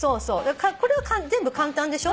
これは全部簡単でしょ。